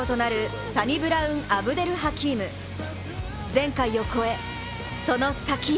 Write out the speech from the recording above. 前回を超え、その先へ。